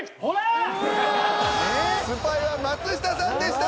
スパイは松下さんでした。